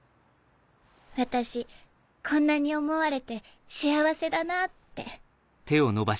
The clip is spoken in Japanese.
私こんなに思われて幸せだなって。